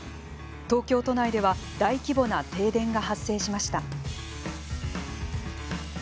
東京都内では大規模な停電が発生しました。